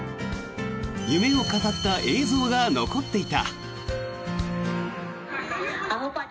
夢を語った映像が残っていた。